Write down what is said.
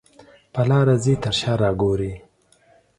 په لاره ځې تر شا را ګورې.